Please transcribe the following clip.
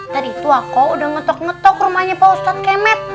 tadi itu aku udah ngetok ngetok rumahnya pak ustadz kemet